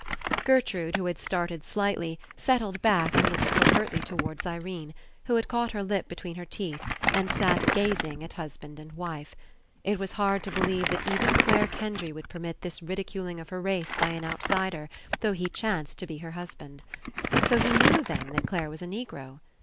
Gertrude who had started slightly, set tled back and looked covertly towards Irene, who had caught her lip between her teeth and sat gazing at husband and wife. It was hard to believe that even Clare Kendry would permit this ridiculing of her race by an outsider, though he chanced to be her husband. So he knew, then, that Clare was a Negro?